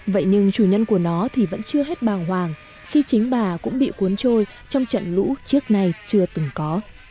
vậy nhưng chủ nhân của nó thì vẫn chưa hết bàng hoàng khi chính bà cũng bị cuốn trôi trong trận lũ trước nay chưa từng có